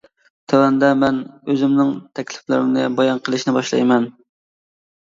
تۆۋەندە مەن ئۆزۈمنىڭ تەكلىپلىرىنى بايان قىلىشنى باشلايمەن.